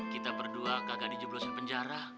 kita berdua kagak dijeblosin penjara